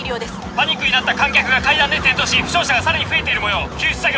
パニックになった観客が階段で転倒し負傷者がさらに増えているもよう救出作業